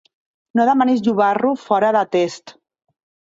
No demanis llobarro fora de test.